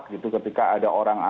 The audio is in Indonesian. bagaimana prosedur prosedur yang tepat